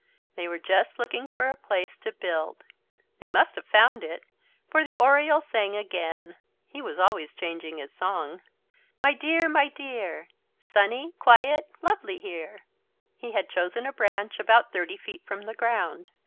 They were just looking for a place to build. They must have found it, for the Oriole sang again (he was always changing his song): "My dear, my dear, Sunny quiet lovely here." He had chosen a branch about thirty feet from the ground.